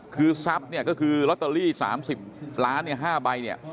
คือทรัพย์ก็คือลอตเตอรี่๓๐ล้าน๕ใบ